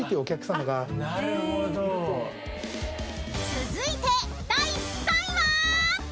［続いて第３位は？］